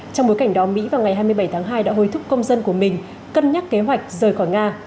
trong bối cảnh đó mỹ vào ngày hai mươi bảy tháng hai đã hối thúc công dân của mình cân nhắc kế hoạch rời khỏi nga